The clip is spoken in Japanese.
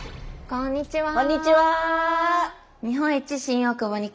こんにちは。